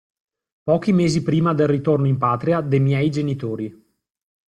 Pochi mesi prima del ritorno in patria de' miei genitori.